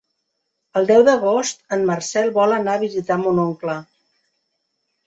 El deu d'agost en Marcel vol anar a visitar mon oncle.